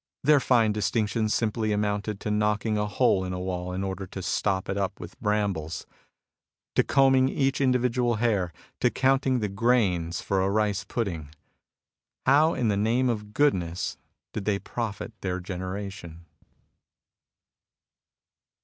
Their fine distinctions simply amounted to knocking a hole in a wall in order to stop it up with brambles ; to combing each individual hair ; to counting the grains for a rice pudding ! How in the name of goodness did they profit their generation